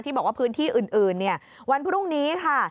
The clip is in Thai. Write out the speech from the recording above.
บอกว่าพื้นที่อื่นวันพรุ่งนี้ค่ะ